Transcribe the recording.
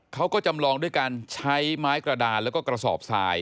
จำลองด้วยการใช้ไม้กระดานแล้วก็กระสอบทราย